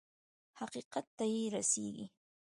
حقيقت ته يې رسېږي.